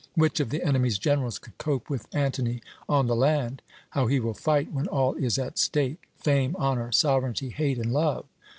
Which of the enemy's generals could cope with Antony on the land? How he will fight when all is at stake fame, honour, sovereignty, hate, and love!